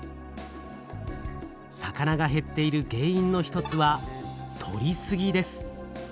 魚が減っている原因の一つは「とりすぎ」です。